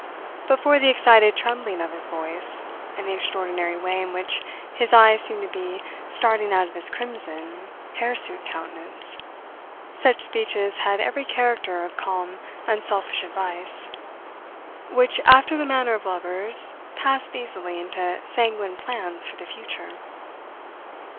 But for the excited trembling of his voice, and the extraordinary way in which his eyes seemed to be starting out of his crimson, hirsute countenance, such speeches had every character of calm, unselfish advice which, after the manner of lovers, passed easily into sanguine plans for the future.